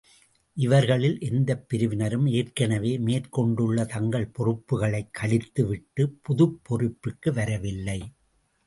இவர்களில் எந்தப் பிரிவினரும், ஏற்கனவே, மேற் கொண்டுள்ள தங்கள் பொறுப்புகளைக் கழித்து விட்டு, புதுப் பொறுப்பிற்கு வரவில்லை.